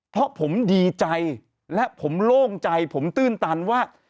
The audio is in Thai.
เพราะผมดีใจและผมโล่งใจผมตื้นตันว่า